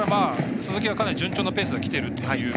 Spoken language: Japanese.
鈴木は順調なペースできているという。